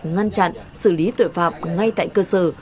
ngăn chặn xử lý tội phạm ngay tại cơ sở